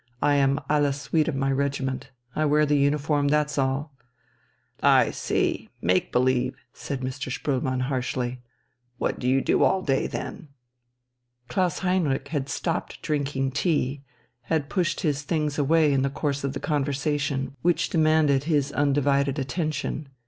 I am à la suite of my regiment. I wear the uniform, that's all." "I see, make believe," said Mr. Spoelmann harshly. "What do you do all day, then?" Klaus Heinrich had stopped drinking tea, had pushed his things away in the course of the conversation which demanded his undivided attention.